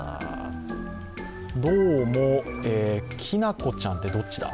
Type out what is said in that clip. どうもきなこちゃんはどっちだ？